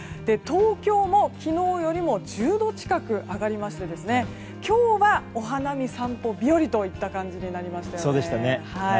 東京も昨日よりも１０度近く上がりまして今日はお花見散歩日和といった感じになりました。